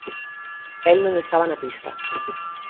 El non estaba na pista.